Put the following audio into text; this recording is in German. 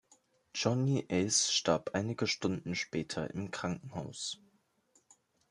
Johnny Ace starb einige Stunden später im Krankenhaus.